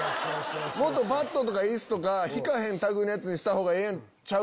「もっとバットとか椅子とか引かへん類いのやつにしたほうがええんちゃう？」